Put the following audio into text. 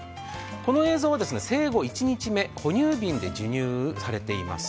この映像は正吾１日目、哺乳瓶で授乳されています。